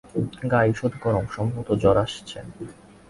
গা ঈষৎ গরম সম্ভবত জ্বর আসছে।